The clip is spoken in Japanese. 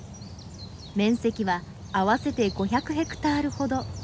面積は合わせて５００ヘクタールほど。